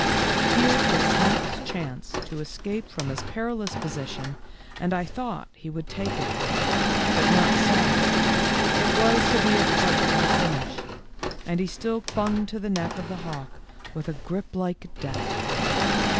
Here was Sneak's chance to escape from his perilous position and I thought he would take it. But not so ; it was to be a fight to the finish, and he still clung to the neck of the hawk with a grip like death.